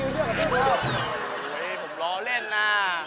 อู่๊ยผมร้อเล่นนะ